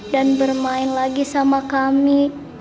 dan bermain lagi sama kami